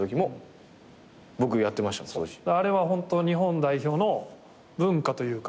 あれは本当日本代表の文化というか。